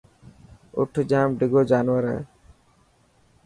اَٺ جام ڊڳو جانور هي.